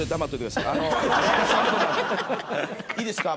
いいですか？